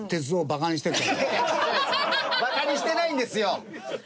バカにしてないんですよ。